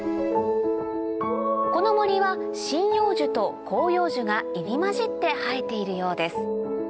この森は針葉樹と広葉樹が入り交じって生えているようです